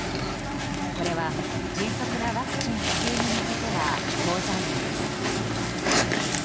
これは、迅速なワクチン普及に向けては好材料です。